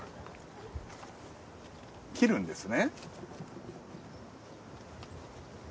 切るんですね。